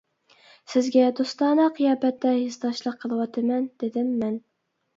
سىزگە دوستانە قىياپەتتە ھېسداشلىق قىلىۋاتىمەن، -دېدىم مەن.